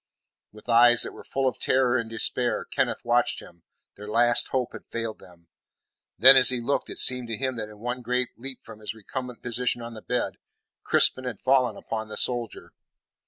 With eyes that were full of terror and despair, Kenneth watched him; their last hope had failed them. Then, as he looked, it seemed to him that in one great leap from his recumbent position on the bed, Crispin had fallen upon the soldier.